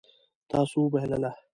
تاسو وبایلله